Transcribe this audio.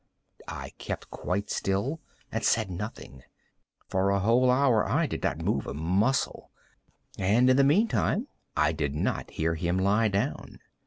I kept quite still and said nothing. For a whole hour I did not move a muscle, and in the meantime I did not hear him lie down.